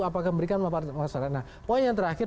apa yang diberikan masyarakat nah poin yang terakhir